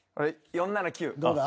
４７９。